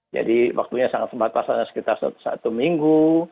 jadi waktunya sangat sebatas sekitar satu minggu